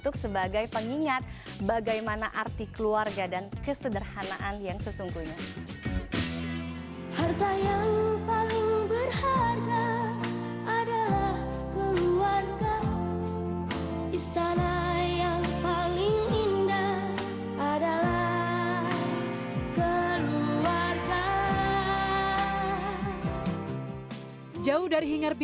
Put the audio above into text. katanya tidak pernah luput dari memori